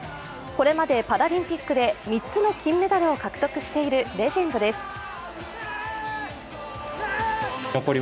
これまでパラリンピックで３つの金メダルを獲得しているレジェンドです。